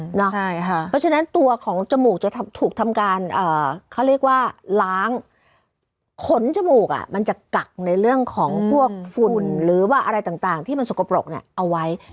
เพราะฉะนั้นตัวของจมูกจะถูกทำการเขาเรียกว่าล้างขนจมูกมันจะกักในเรื่องของพวกฝุ่นหรือว่าอะไรต่างที่มันสกปรกเอาไว้